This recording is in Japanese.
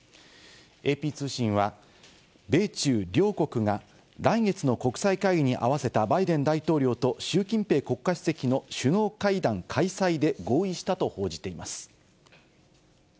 ＡＰ通信は、米中両国が来月の国際会議に合わせたバイデン大統領と習近平国家主席の首脳会談開催で合意したと報じています。